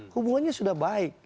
hubungannya sudah baik